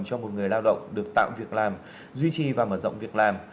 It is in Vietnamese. cho một người lao động được tạo việc làm duy trì và mở rộng việc làm